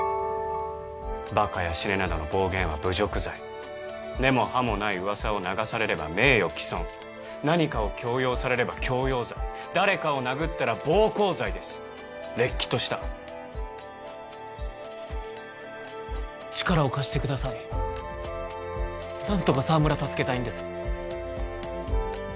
バカや死ねなどの暴言は侮辱罪根も葉もない噂を流されれば名誉毀損何かを強要されれば強要罪誰かを殴ったら暴行罪ですれっきとした力を貸してください何とか沢村助けたいんです